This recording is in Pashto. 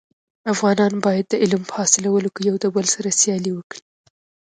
افغانان باید د علم په حاصلولو کي يو دبل سره سیالي وکړي.